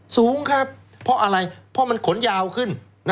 สูงครับเพราะอะไรเพราะมันขนยาวขึ้น